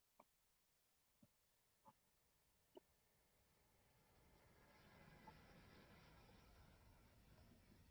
ئامانجمان ئەوەیە ماڵێکمان هەبێت بەر لەوەی تەمەنمان بگاتە سی ساڵ.